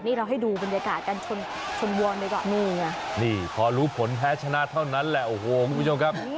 นี่เราให้ดูบรรยากาศกันชนวอนไปก่อนนี่ไงนี่พอรู้ผลแพ้ชนะเท่านั้นแหละโอ้โหคุณผู้ชมครับ